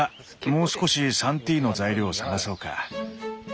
もう少しサンティーの材料を探そうか。